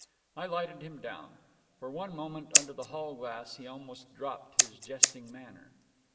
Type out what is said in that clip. I lighted him down. For one moment, under the hall gas, he almost dropped his jesting manner.